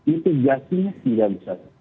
ini tiga sisi yang bisa ditetapkan